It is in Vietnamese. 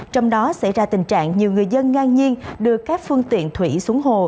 trong đó xảy ra tình trạng nhiều người dân ngang nhiên đưa các phương tiện thủy xuống hồ